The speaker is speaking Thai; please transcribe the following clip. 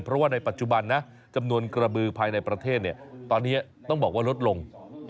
เพราะว่าในปัจจุบันนะจำนวนกระบือภายในประเทศตอนนี้ต้องบอกว่าลดลง